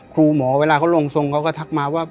ครูหมอเวลาเขาลงทรงเขาก็ทักมาว่า